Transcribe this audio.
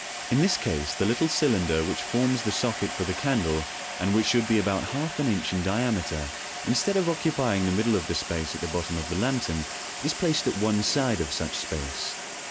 In this case the little cylinder which forms the socket for the candle, and which should be about half an inch in diameter, instead of occupying the middle of the space at the bottom of the lantern, is placed at one side of such space.